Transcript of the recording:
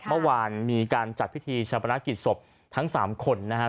เมื่อวานมีการจัดพิธีชาปนักกิจศพทั้ง๓คนนะฮะ